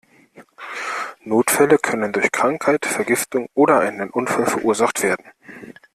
Notfälle können durch Krankheit, Vergiftung oder einen Unfall verursacht werden.